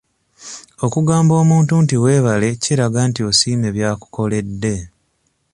Okugamba omuntu nti weebale kiraga nti osiimye bya kukoledde.